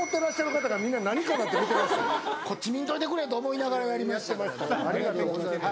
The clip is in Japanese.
こっち見んといてくれと思いながらやりました。